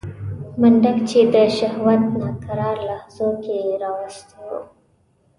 منډک چې د شهوت ناکرار لحظو کې راوستی و.